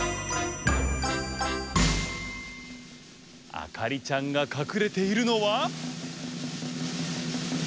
あかりちゃんがかくれているのは。